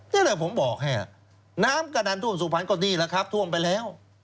นี่แหละผมบอกให้น้ำกระดันท่วมสุพรรณก็ดีแล้วครับท่วมไปแล้ว